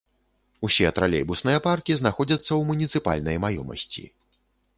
Усе тралейбусныя паркі знаходзяцца ў муніцыпальнай маёмасці.